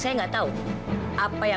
achieving country tantungnya dengan bahan baru